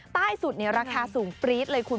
ใต้สุดราคาสูงปรี๊ดเลยคุณ